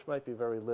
dan banyak lagi